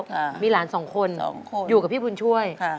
มีหลานสองคนอยู่กับพี่บุญช่วยค่ะ